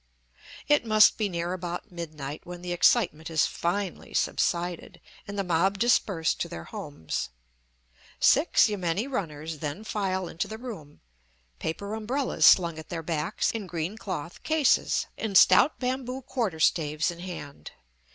It must be near about midnight when the excitement has finally subsided, and the mob disperse to their homes. Six yameni runners then file into the room, paper umbrellas slung at their backs in green cloth cases, and stout bamboo quarter staves in hand.